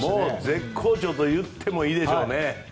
絶好調と言ってもいいでしょうね。